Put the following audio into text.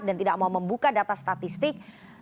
dan tidak mau membuka data statistik